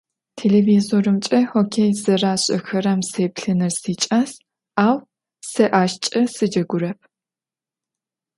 Têlêvizorımç'e xokkêy zerêş'exerem sêplhınır siç'as, au se aşç'e sıcegurep.